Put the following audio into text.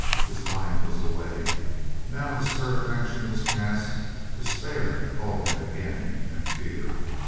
His mind was away. Now the stir of action was past, despair called him again and fear.